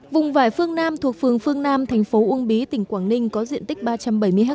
vùng vải phương nam thuộc phường phương nam thành phố uông bí tỉnh quảng ninh có diện tích ba trăm bảy mươi ha